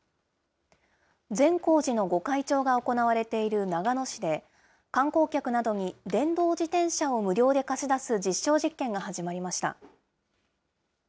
善光寺の御開帳が行われている長野市で、観光客などに電動自転車を無料で貸し出す実証実験が始まりました。